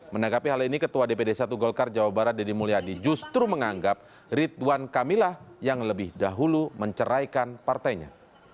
menanggapi hal ini ketua dpd satu golkar jawa barat deddy mulyadi justru menganggap ridwan kamil yang lebih dahulu menceraikan partainya